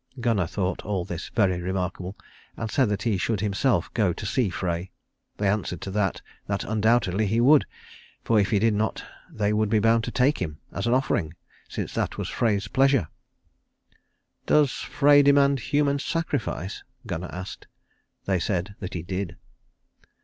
Gunnar thought all this very remarkable, and said that he should himself go to see Frey. They answered to that, that undoubtedly he would; for if he did not they would be bound to take him, as an offering, since that was Frey's pleasure. "Does Frey demand human sacrifice?" Gunnar asked. They said that he did.